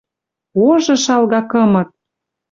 Ожы шалга кымыт!